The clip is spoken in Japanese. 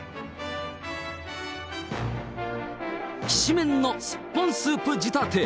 きしめんのすっぽんスープ仕立て。